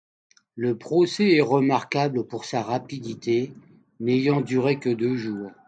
Le procès est remarquable pour sa rapidité, n'ayant duré que deux jours.